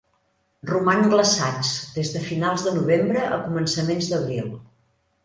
Roman glaçats des de finals de novembre a començaments d'abril.